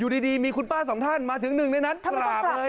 ดีมีคุณป้าสองท่านมาถึงหนึ่งในนั้นกราบเลย